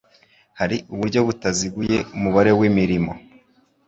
Hari uburyo butaziguye umubare w imirimo